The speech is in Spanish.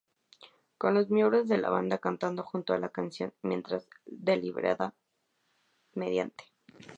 Con los miembros de la banda cantando junto a la canción, mientras lideraba mediante.